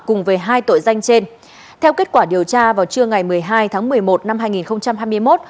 cùng với hai tội danh trên theo kết quả điều tra vào trưa ngày một mươi hai tháng một mươi một năm hai nghìn hai mươi một